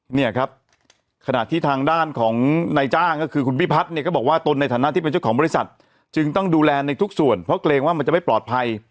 เนี่ยครับขณะที่ทางด้านของนายจ้างก็คือคุณพิพัฒน์เนี่ยก็บอกว่าตนในฐานะที่เป็นเจ้าของบริษัทจึงต้องดูแลในทุกส่วนเพราะเกรงว่ามันจะไม่ปลอดภัย